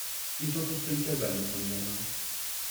ils ont construit une cabane au coin du jardin.